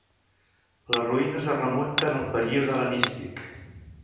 Les ruïnes es remunten al període hel·lenístic.